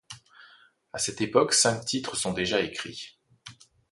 À cette époque, cinq titres sont déjà écrits.